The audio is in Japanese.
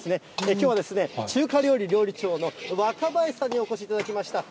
きょうはですね、中華料理料理長の若林さんにお越しいただきました。